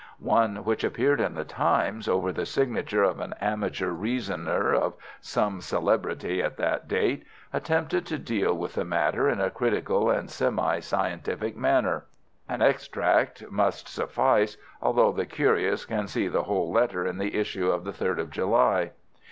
One which appeared in the Times, over the signature of an amateur reasoner of some celebrity at that date, attempted to deal with the matter in a critical and semi scientific manner. An extract must suffice, although the curious can see the whole letter in the issue of the 3rd of July.